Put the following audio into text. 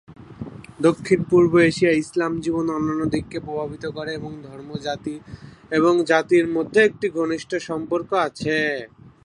দক্ষিণ-পূর্ব এশিয়ায়, ইসলাম জীবনের অন্যান্য দিককে প্রভাবিত করে, এবং ধর্ম, জাতি এবং জাতির মধ্যে একটি ঘনিষ্ঠ সম্পর্ক আছে।